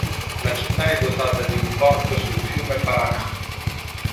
La città è dotata di un porto sul fiume Paraná.